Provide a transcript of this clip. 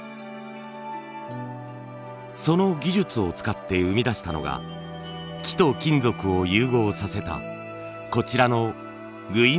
その技術を使って生み出したのが木と金属を融合させたこちらのぐい飲みシリーズ。